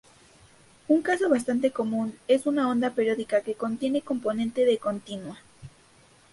Un caso bastante común es una onda periódica que contiene componente de continua.